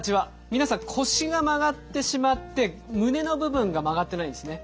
皆さん腰が曲がってしまって胸の部分が曲がってないんですね。